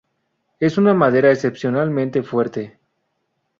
Es una madera excepcionalmente fuerte.